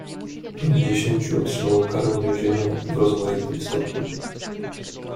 "Pięćdziesięciu otrzymało karę więzienia w rozmaitym stopniu."